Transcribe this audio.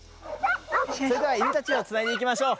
それでは犬たちをつないでいきましょう。